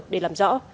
để làm rõ